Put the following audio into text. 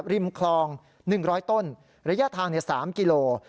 ริมคลอง๑๐๐ต้นระยะทาง๓กิโล